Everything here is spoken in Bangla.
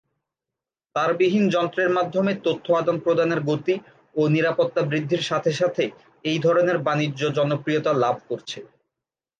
তারবিহীন যন্ত্রের মাধ্যমে তথ্য আদান-প্রদানের গতি ও নিরাপত্তা বৃদ্ধির সাথে সাথে এই ধরনের বাণিজ্য জনপ্রিয়তা লাভ করছে।